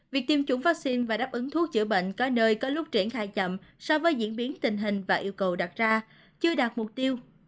việc tiêm chủng vaccine và đáp ứng thuốc chữa bệnh có nơi có lúc triển khai chậm so với diễn biến tình hình và yêu cầu đặt ra chưa đạt mục tiêu